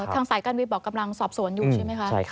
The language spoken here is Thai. ทางสายการวิทย์บอกกำลังสอบสวนอยู่ใช่ไหมคะ